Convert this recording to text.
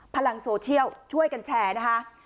พลังโซเชียลช่วยกันแชร์นะคะ